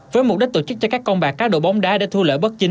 với mục đích tổ chức cho các con bạc cá độ bóng đá để thu lỡ bất chính